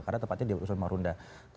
karena tepatnya di rusun marunda